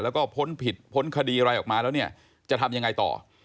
แล้วก็พ้นผิดพ้นคดีอะไรออกมาแล้วเนี่ยจะทำยังไงต่อ